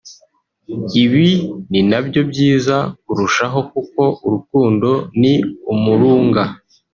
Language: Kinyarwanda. Ibi ni nabyo byiza kurushaho kuko urukundo ni umurunga